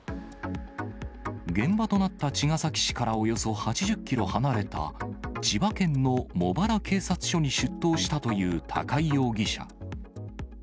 現場となった茅ヶ崎市からおよそ８０キロ離れた、千葉県の茂原警察署に出頭したという高井容疑者。